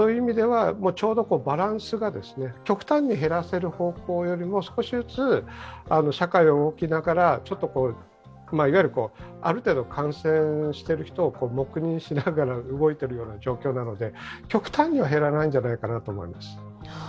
ちょうどバランスが極端に減らせる方向よりも少しずつ社会を動かしながら、いわゆる、ある程度、感染している人を黙認しながら動いている状況なので極端には減らないんじゃないかなと思います。